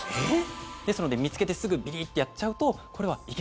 ですので、見つけてすぐビリッてやっちゃうとえっ？